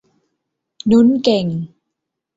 นุ้นเก่ง